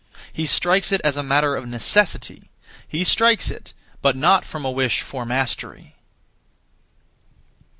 He strikes it as a matter of necessity; he strikes it, but not from a wish for mastery.